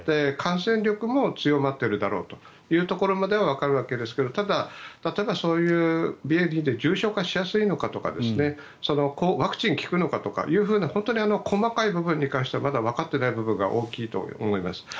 感染力も強まっているだろうというところまではわかるわけですが例えばそういうＢＡ．２で重症化しやすいのかとかワクチンが効くのかとか本当に細かい部分に関してはまだわかっていない部分が大きいと思います。